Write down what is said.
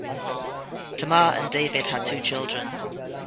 Tamar and David had two children.